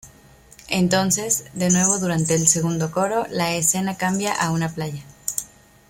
Entonces, de nuevo durante el segundo coro, la escena cambia a una playa.